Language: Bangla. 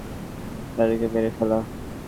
যত দ্রুত সম্ভব আমাদের উচিত সান্থানামকে মেরে ফেলা।